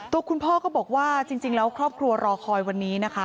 ตัวคุณพ่อก็บอกว่าจริงแล้วครอบครัวรอคอยวันนี้นะคะ